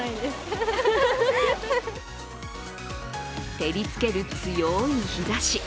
照りつける強い日ざし。